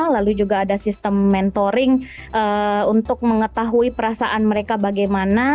lalu juga ada sistem mentoring untuk mengetahui perasaan mereka bagaimana